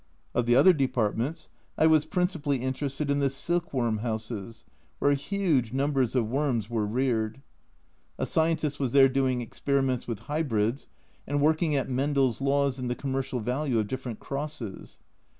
Of the other departments, I was principally interested in the silk worm houses, where huge numbers of worms A Journal from Japan 175 were reared. A scientist was there doing experi ments with hybrids, and working at Mendel's laws and the commercial value of different crosses.